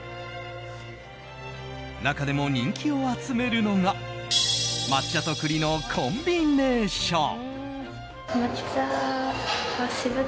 中でも人気を集めるのが抹茶と栗のコンビネーション。